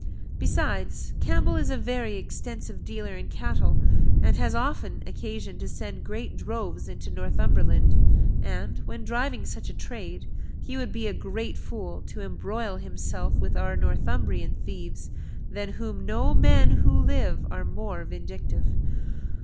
Besides, Campbell is a very extensive dealer in cattle, and has often occasion to send great droves into Northumberland; and, when driving such a trade, he would be a great fool to embroil himself with our Northumbrian thieves, than whom no men who live are more vindictive."